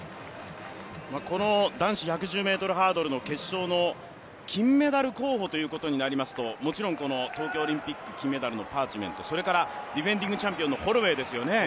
この男子１１０ｍハードルの決勝の金メダル候補ということになりますと、もちろんこの東京オリンピック金メダルのパーチメント、それからディフェンディングチャンピオンのホロウェイですよね。